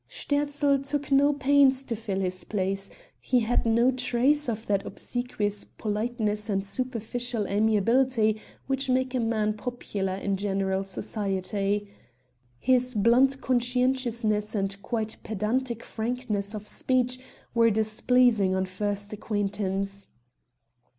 Sterzl took no pains to fill his place; he had no trace of that obsequious politeness and superficial amiability which make a man popular in general society. His blunt conscientiousness and quite pedantic frankness of speech were displeasing on first acquaintance.